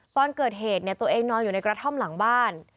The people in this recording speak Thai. ตอนเกิดเหตุตัวเองนอนอยู่ในกระท่อมหลังบ้าน